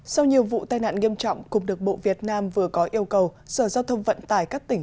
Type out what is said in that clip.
sau nhiều vụ tai nạn nghiêm trọng cục đường bộ việt nam vừa có yêu cầu sở giao thông vận tải các tỉnh